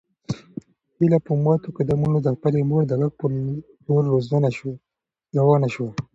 هیله په ماتو قدمونو د خپلې مور د غږ په لور روانه شوه.